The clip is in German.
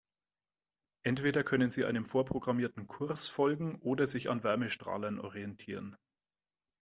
Entweder können sie einem vorprogrammierten Kurs folgen oder sich an Wärmestrahlern orientieren.